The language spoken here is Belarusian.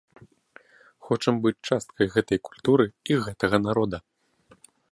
Хочам быць часткай гэтай культуры і гэтага народа.